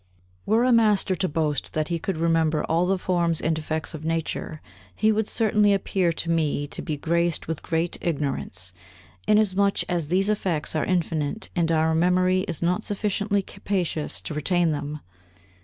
33. Were a master to boast that he could remember all the forms and effects of nature, he would certainly appear to me to be graced with great ignorance, inasmuch as these effects are infinite and our memory is not sufficiently capacious to retain them.